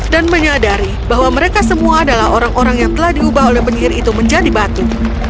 dan menyadari bahwa mereka semua adalah orang orang yang telah diubah oleh penyihir itu menjadi batu